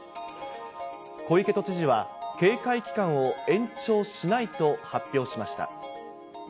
小池都知事は、警戒期間を延長しないと発表しました。